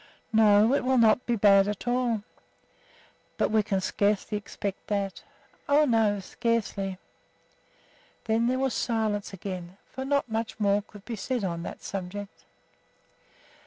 "No, it will not be at all bad." "But we can scarcely expect that." "Oh, no! scarcely." Then there was silence again, for not much more could be said on that subject.